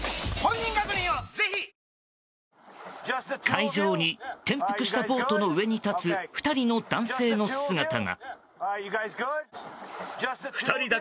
海上に、転覆したボートの上に立つ、２人の男性の姿が。